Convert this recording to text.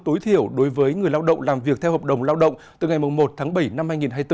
tối thiểu đối với người lao động làm việc theo hợp đồng lao động từ ngày một tháng bảy năm hai nghìn hai mươi bốn